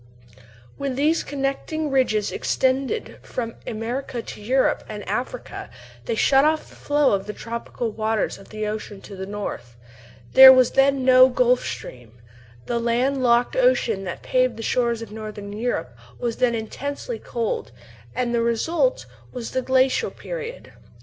When these connecting ridges extended from America to Europe and Africa, they shut off the flow of the tropical waters of the ocean to the north: there was then no "Gulf Stream;" the land locked ocean that laved the shores of Northern Europe was then intensely cold; and the result was the Glacial Period.